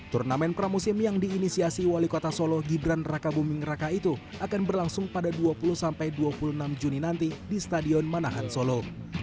turnamen pramusim yang diinisiasi wali kota solo gibran raka buming raka itu akan berlangsung pada dua puluh dua puluh enam juni nanti di stadion manahan solo